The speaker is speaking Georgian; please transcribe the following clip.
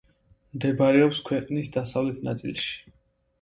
მდებარეობს ქვეყნის დასავლეთ ნაწილში.